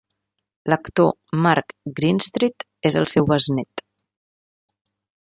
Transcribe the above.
L'actor Mark Greenstreet és el seu besnét.